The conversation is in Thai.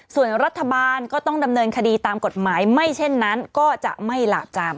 ส่วนรัฐบาลก็ต้องดำเนินคดีตามกฎหมายไม่เช่นนั้นก็จะไม่หลากจาม